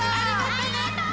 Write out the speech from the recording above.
ありがとう！